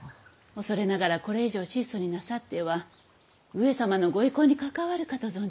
恐れながらこれ以上質素になさっては上様のご威光に関わるかと存じます。